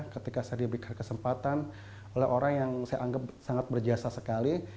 ketika saya diberikan kesempatan oleh orang yang saya anggap sangat berjasa sekali